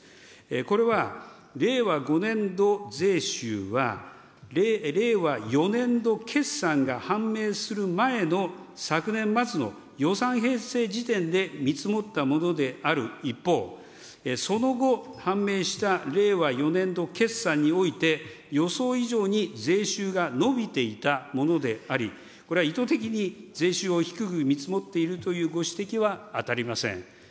これは、令和５年度税収は令和４年度決算が判明する前の昨年末の予算編成時点で見積もったものである一方、その後、判明した令和４年度決算において、予想以上に税収が伸びていたものであり、これは意図的に税収を低く見積もっているというご指摘は当たりません。